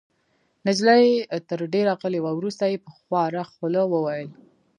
نجلۍ تر دېره غلې وه. وروسته يې په خواره خوله وویل: